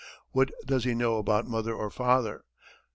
What does he know about mother or father?